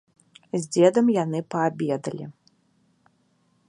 З дзедам яны паабедалі.